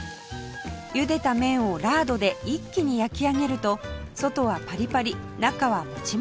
ゆでた麺をラードで一気に焼き上げると外はパリパリ中はモチモチに